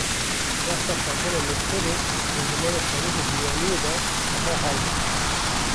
Wexta xwendina mektebê bi zimanê xerîb û biyaniyê de li xwe haybûm.